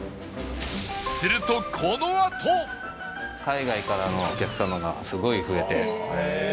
するとこのあと海外からのお客様がすごい増えて。